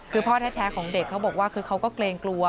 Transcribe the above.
คือพ่อแท้ของเด็กเขาบอกว่าคือเขาก็เกรงกลัว